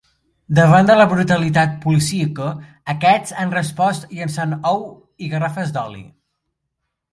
Davant de la brutalitat policíaca, aquests han respost llançant ou i garrafes d’oli.